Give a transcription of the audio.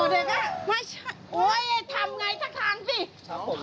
ที่ขาวเหาะเด็ก